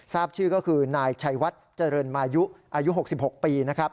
ทราบชื่อก็คือนายชัยวัดเจริญมายุอายุ๖๖ปีนะครับ